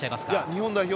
日本代表